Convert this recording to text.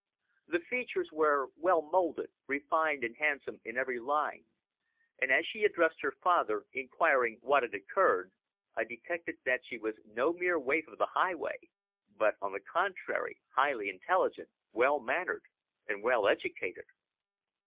The features were well moulded, refined and handsome in every line, and as she addressed her father, inquiring what had occurred, I detected that she was no mere waif of the highway, but, on the contrary, highly intelligent, well mannered and well educated.